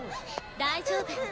大丈夫。